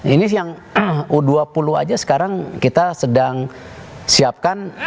ini yang u dua puluh aja sekarang kita sedang siapkan